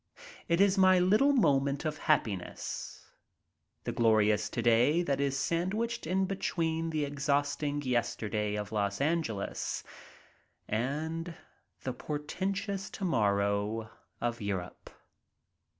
It is my little moment of happiness, the glorious "to day " that is sandwiched in between the exhausting "yesterday" of Los Angeles and the portentous "to morrow" of Europe.